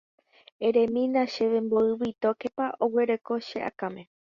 eremína chéve mboy vitókepa aguereko che akãme